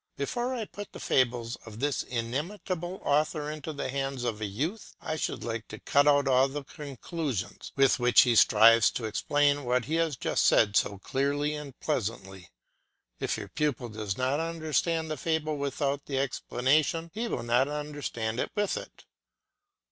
Before I put the fables of this inimitable author into the hands of a youth, I should like to cut out all the conclusions with which he strives to explain what he has just said so clearly and pleasantly. If your pupil does not understand the fable without the explanation, he will not understand it with it.